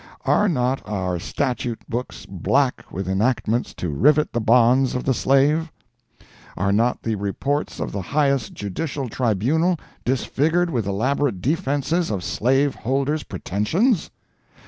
Are not our statute books black with enactments to rivet the bonds of the slave? Are not the reports of the highest judicial tribunal disfigured with elaborate defenses of slaveholders' pretensions?